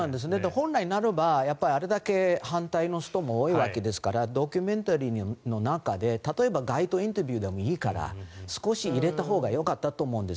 本来ならばあれだけ反対の人も多いわけですからドキュメンタリーの中で例えば街頭インタビューでもいいから少し入れたほうがよかったと思うんです。